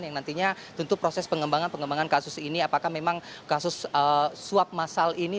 yang nantinya tentu proses pengembangan pengembangan kasus ini apakah memang kasus suap masal ini